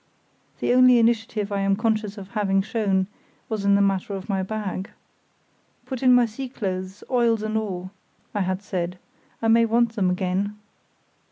The only initiative I am conscious of having shown was in the matter of my bag. "Put in my sea clothes, oils, and all," I had said; "I may want them again."